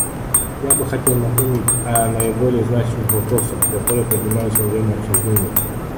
Я бы хотел напомнить о наиболее значимых вопросах, которые поднимались во время обсуждений.